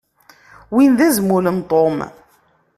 Win d azmul n Tom.